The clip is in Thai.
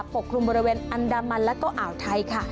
กลุ่มบริเวณอันดามันแล้วก็อ่าวไทยค่ะ